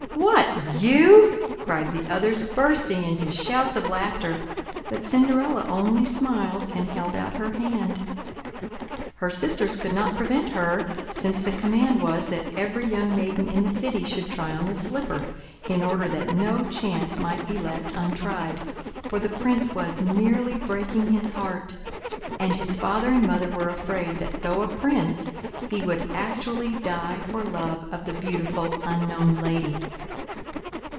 "What, you?" cried the others, bursting into shouts of laughter; but Cinderella only smiled, and held out her hand. Her sisters cou1d not prevent her, since the command was that every young maiden in the city should try on the slipper, in order that no chance might be left untried, for the prince was nearly breaking his heart; and his father and mother were afraid that though a prince, he would actually die for love of the beautiful unknown lady.